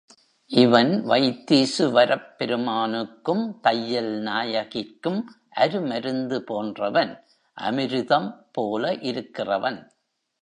இவன் வைத்தீசுவரப் பெருமானுக்கும் தையல் நாயகிக்கும் அருமருந்து போன்றவன் அமிருதம் போல இருக்கிறவன்.